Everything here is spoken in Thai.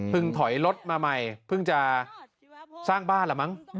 ถอยรถมาใหม่เพิ่งจะสร้างบ้านแหละมั้ง